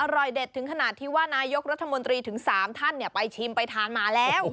อร่อยเด็ดถึงขนาดที่ว่านายกรัฐมนตรีถึง๓ท่านไปชิมไปทานมาแล้ว